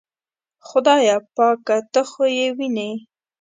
خدایه پاکه ته خو یې وینې.